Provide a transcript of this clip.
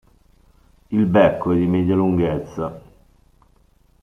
Il becco è di media lunghezza.